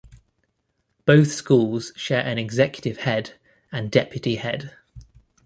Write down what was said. Both schools share an executive head and deputy head.